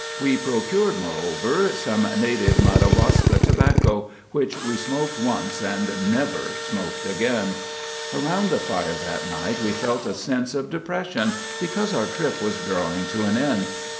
We procured, moreover, some native Madawaska tobacco—which we smoked once, and never smoked again. Around the fire that night we felt a sense of depression because our trip was drawing to an end.